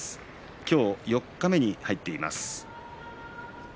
今日四日目に入っています。